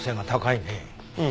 うん。